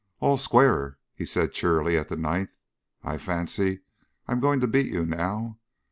"All square," he said cheerily at the ninth. "I fancy I'm going to beat you now.